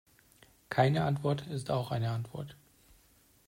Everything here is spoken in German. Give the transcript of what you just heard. Keine Antwort ist auch eine Antwort.